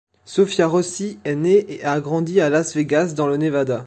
Sophia Rossi est née et a grandi à Las Vegas dans le Nevada.